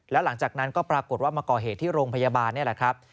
แล้วหลังจากนั้นก็ปรากฏว่ามาก่อเหตุที่โรงพยาบาลนี่แหละครับ